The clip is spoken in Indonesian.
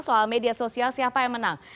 soal media sosial siapa yang menang